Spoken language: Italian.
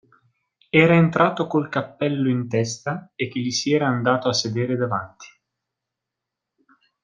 Era entrato col cappello in testa e che gli si era andato a sedere davanti.